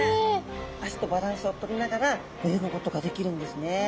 脚とバランスをとりながら泳ぐことができるんですね。